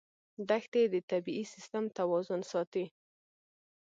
دښتې د طبعي سیسټم توازن ساتي.